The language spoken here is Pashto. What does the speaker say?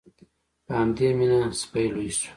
په همدې مینه سپی لوی شو.